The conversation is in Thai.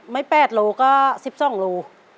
๘โลก็๑๒โล